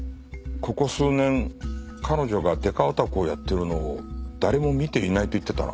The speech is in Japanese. ここ数年彼女がデカオタクをやってるのを誰も見ていないと言ってたな。